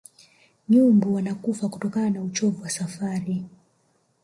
nyumbu wanakufa kutokana na uchovu wa safari